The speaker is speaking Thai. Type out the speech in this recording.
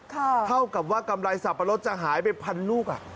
เท่ากับว่ากำไรสับปะรดจะหายไปพันลูก